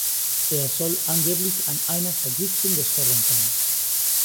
Er soll angeblich an einer Vergiftung gestorben sein.